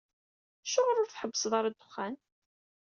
Acuɣer ur tḥebbseḍ ara ddexxan?